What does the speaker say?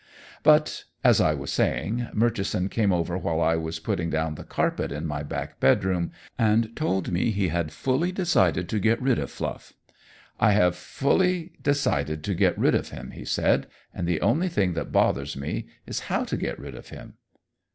But as I was saying, Murchison came over while I was putting down the carpet in my back bedroom, and told me he had fully decided to get rid of Fluff. "I have fully decided to get rid of him," he said, "and the only thing that bothers me is how to get rid of him."